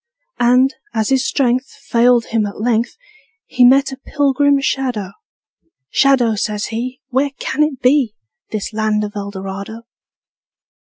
And, as his strength Failed him at length, He met a pilgrim shadow: ``Shadow,'' says he, ``Where can it be, This land of Eldorado?''